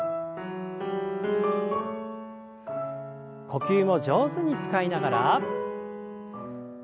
呼吸を上手に使いながら。